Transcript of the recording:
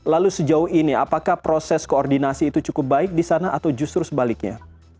lalu sejauh ini apakah proses koordinasi itu cukup baik di sana atau justru sebaliknya